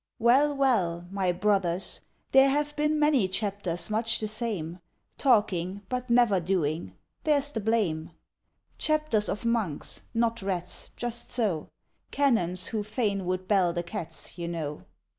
Well, well, my brothers, There have been many chapters much the same; Talking, but never doing there's the blame. Chapters of monks, not rats just so! Canons who fain would bell the cats, you know.